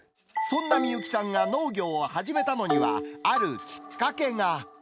そんな美幸さんが農業を始めたのには、あるきっかけが。